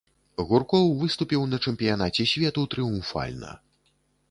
Гуркоў выступіў на чэмпіянаце свету трыумфальна.